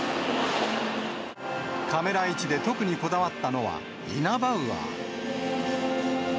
カメラ位置で特にこだわったのは、イナバウアー。